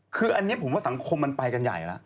คืออันนี้ผมว่าสังคมมันไปกันใหญ่แล้ว